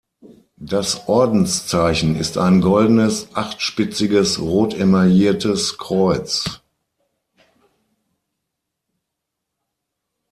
Das Ordenszeichen ist ein goldenes achtspitziges rot emailliertes Kreuz.